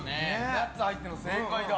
ナッツ入ってるの正解だ。